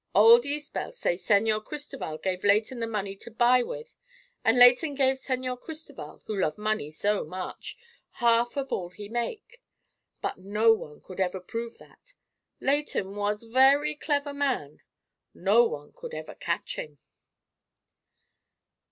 Old Izbel say Señor Cristoval give Leighton the money to buy with, and Leighton give Señor Cristoval, who love money so much, half of all he make. But no one could ever prove that. Leighton was very clever man. No one could ever catch him."